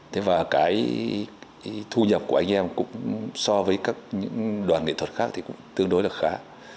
thế và cái thu nhập của anh em cũng so với các đoàn nghệ thuật khác thì cũng tương đối là khá